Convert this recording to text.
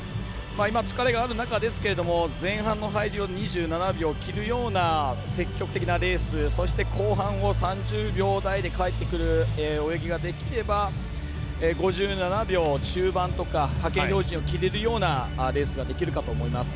今、疲れがある中ですけれども前半の入りを２７秒切るような積極的なレースそして、後半を３０秒台で帰ってくる泳ぎができれば５７秒中盤とか派遣標準を切れるようなレースができるかと思います。